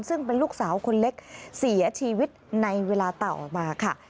ซึ่งเป็นลูกสาวคนเล็กเสียชีวิตในเวลาต่อออกมาค่ะ